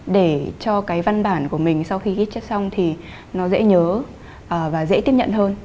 để cho cái văn bản của mình sau khi ghi chép xong thì nó dễ nhớ và dễ tiếp nhận hơn